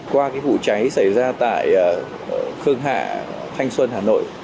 qua cái vụ cháy xảy ra tại khương hạ thanh xuân hà nội